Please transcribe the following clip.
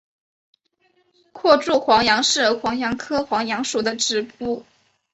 阔柱黄杨是黄杨科黄杨属的植物。